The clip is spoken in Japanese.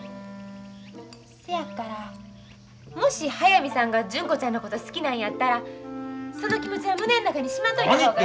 せやからもし速水さんが純子ちゃんのこと好きなんやったらその気持ちは胸ん中にしまっといた方が。